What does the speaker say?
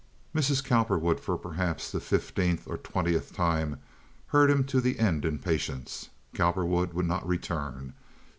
Mrs. Cowperwood for perhaps the fifteenth or twentieth time heard him to the end in patience. Cowperwood would not return.